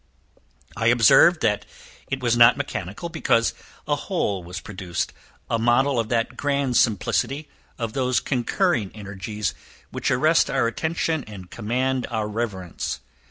I observed that it was not mechanical, because a whole was produced a model of that grand simplicity, of those concurring energies, which arrest our attention and command our reverence.